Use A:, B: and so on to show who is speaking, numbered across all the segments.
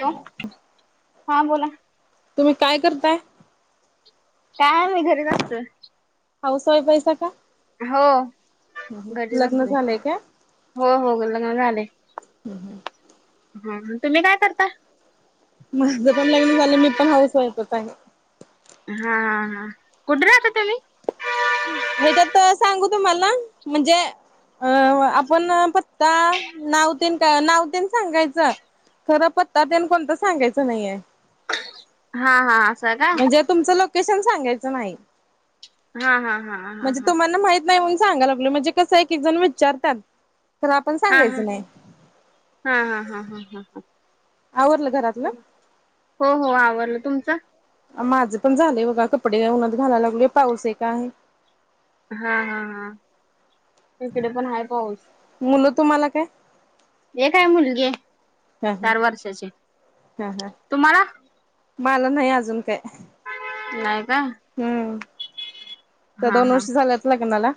A: Hello हा बोला.
B: तुम्ही काय करताय?
A: काय नाही घरीच असतोय.
B: हाऊस वाईफ आहिसा काय?
A: हो घरीच
B: लग्न
A: असतोय.
B: झालंय का?
A: हो हो लग्न झालंय. ह्म तुम्ही काय करत्याय?
B: माझं पण लग्न झालंय मी पण हाऊस वाइफच आहे.
A: हा हा हा कुठं राहता तुम्ही?
B: हेच्यात सांगू तुम्हाला म्हणजे आपण पत्ता नाव तेन का नावतेन सांगायचं. खरं पत्ता तेनं कोणता सांगायच्या नाही आहं.
A: हा हा असं का
B: म्हणजे तुमचं लोकेशन सांगायच नाही
A: हा हा हा हा हा
B: म्हणजे
A: हा
B: तुम्हाला माहित नाही म्हणून सांगाय लागलो म्हणजे कसं एक एक जणं विचारतात खरं आपण
A: हा
B: सांगायचं नाही.
A: हा हा हा हा हा
B: आवरलं घरातलं?
A: ह हो हो आवरलं तुमचं?
B: माझं पण झालेय बघा कपडे ऊन्हात घालाय लागलोय पाऊस एक आहे.
A: हा हा हा इकडे पण आहे पाऊस.
B: मुलं तुम्हाला काय?
A: एक हाय मुलगी.
B: ह ह
A: चार वर्षाची
B: ह ह
A: तुम्हाला
B: मला नाही अजून काय.
A: नाही का.
B: हम्म तर
A: हा
B: दोन
A: हा
B: वर्ष झाल्यात लग्नाला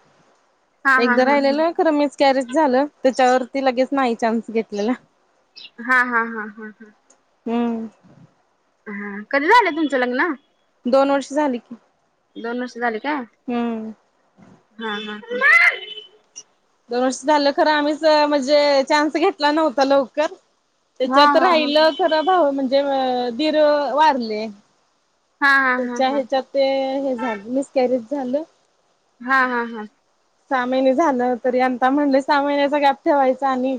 A: हा हा
B: एकदा
A: हा हा
B: राहिलेलं खरं मिस कॅरेज झालं. त्याच्यावरती लगेच नाही चान्स घेतलेला.
A: हा हा हा हा
B: हम्म
A: हा कधी झालं तुमच लग्न?
B: दोन वर्ष झाल की.
A: दोन वर्ष झाली का,
B: हम्म
A: हा ह
B: दोन वर्ष झालं खरं आम्हीच म्हणजे चान्स घेतला नव्हता लवकर
A: हा
B: त्याच्यात
A: हा
B: राहिलं खरं भावं म्हणजे दीर वारले.
A: हा हा हा
B: त्याच्या
A: हा
B: ह्याच्यात ते हे झालं मिसकॅरीज झालं.
A: हा हा हा.
B: सहा महिने झालं तरी आंता म्हणले सहा महिन्याचा गॅप ठेवायचा आणि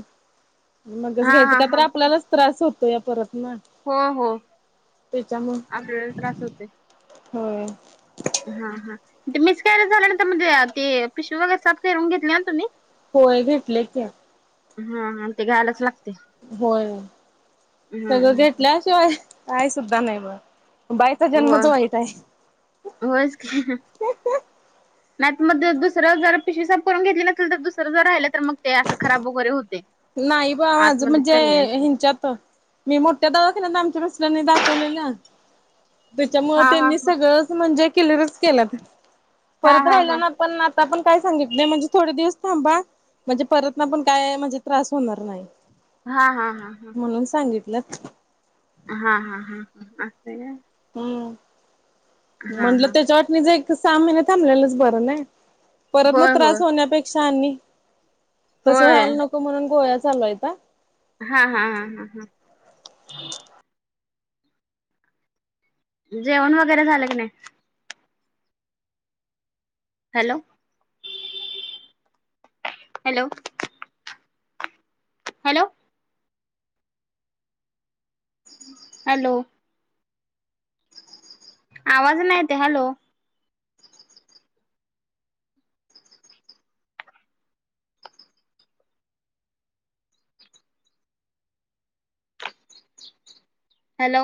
B: मगच
A: हा
B: घ्यायचं
A: हा
B: का
A: हा
B: तर आपल्यालाच त्रास होतोया परत ना.
A: हो हो
B: त्याच्यामुळ
A: आपल्याला त्रास होतय.
B: होय.
A: हा हा ते मिसकॅरेज झाल्यानंतर म्हणजे ते पिशवी वगैरे साफ करून घेतल्याय ना तुम्ही?
B: होय घेतल्याय की.
A: हा हा ते घ्यायलाच लागतय.
B: होय सगळं घेतल्याशिवाय काय सुद्धा नाही बगा. बाईचा
A: हो
B: जन्मच वाईट हाय.
A: नाही मग दुसरं जर पिशवी साफ करून घेतली नसेल तर दुसरं ज राहिलं तर मग ते असं खराब वगैरे होतय आतमध्ये प्रेग्नेन्सी.
B: च्यात. मी मोठ्या दवाखान्यात आमच्या मिस्टरांनी दाखवलेलं त्यामुळे
A: हा हा
B: त्यांनी सगळच म्हणजे किलेरच केल्यात
A: हा
B: परत
A: हा
B: राहिला
A: हा
B: ना पण आता पण काय सांगितलंय म्हणजे थोडे दिवस थांबा म्हणजे परतना पण काय म्हणजे त्रास होणार नाय.
A: हा हा हा हा.
B: म्हणून सांगितल्यत.
A: हां हां हां असंय काय.
B: हम्म म्हणलं
A: हा
B: त्याच्या वाटणीचं एक त सहा महिना थांबलेलेच बरं नाय. परत ना
A: होय होय
B: त्रास होण्यापेक्षा आणि तसं
A: होय
B: व्हायला नको म्हणून गोळ्या चालूयता.
A: हा हा हा हा हा. जेवण वगैरे झालं का नाय? हॅलो! हॅलो! हॅलो! हॅलो! आवाज नाय येतय हॅलो! हॅलो!